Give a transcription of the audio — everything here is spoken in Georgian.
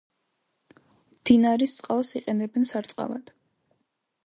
მდინარის წყალს იყენებენ სარწყავად.